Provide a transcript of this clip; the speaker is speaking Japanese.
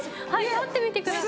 立ってみてください。